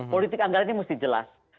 politik anggaran ini mesti jelas